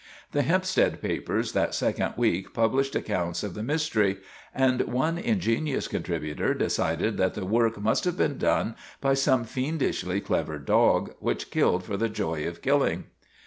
The Hempstead papers that second week published accounts of the mystery, and one ingenious con tributor decided that the work must have been done by some fiendishly clever dog, which killed for the joy of killing.